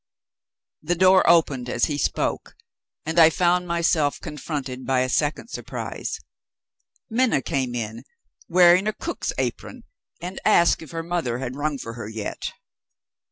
The door opened as he spoke, and I found myself confronted by a second surprise. Minna came in, wearing a cook's apron, and asked if her mother had rung for her yet.